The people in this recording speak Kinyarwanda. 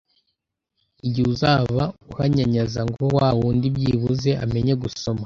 Igihe uzaba uhanyanyaza ngo wawundi byibuze amenye gusoma